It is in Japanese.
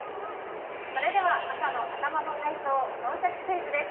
それでは朝の頭の体操、「脳シャキ！クイズ」です。